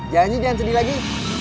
janji jangan sedih lagi